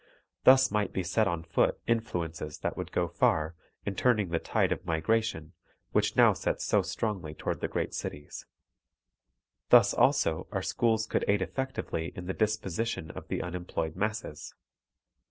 Thus might be set on foot influences that would go far in turning the tide of migration which now sets so strongly toward the great cities. Thus also our schools could aid effectively in the disposition of the unemployed masses.